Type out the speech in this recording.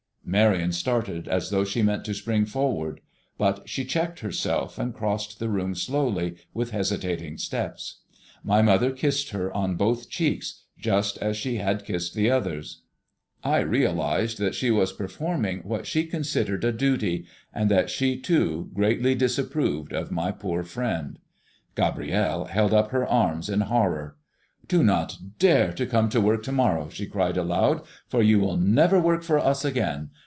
Marion started as though she meant to spring forward; but she checked herself and crossed the room slowly with hesitating steps. My mother kissed her on both cheeks just as she had kissed the others. I realized that she was performing what she considered a duty, and that she too greatly disapproved of my poor friend. Gabrielle held up her arms in horror. "Do not dare to come to work to morrow!" she cried aloud; "for you will never work for us again.